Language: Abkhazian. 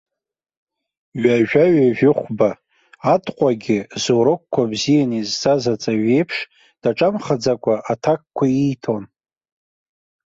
Ҩажәа-ҩажәихәба, атҟәагьы, зурокқәа бзианы изҵаз аҵаҩы иеиԥш, даҿамхаӡакәа аҭакқәа ииҭон.